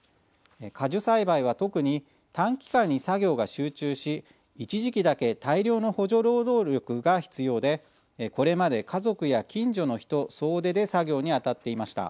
果樹栽培は特に短期間に作業が集中し、一時期だけ大量の補助労働力が必要でこれまで家族や近所の人総出で作業にあたっていました。